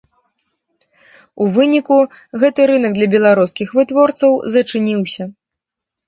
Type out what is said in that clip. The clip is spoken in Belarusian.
У выніку гэты рынак для беларускіх вытворцаў зачыніўся.